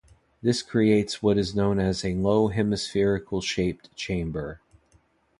This creates what is known as a low hemispherical shaped chamber.